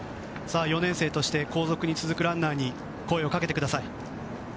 ４年生として後続に続くランナーに声をかけてください。